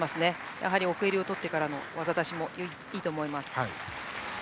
やはり奥襟を取ってからの技だしもいいと思います。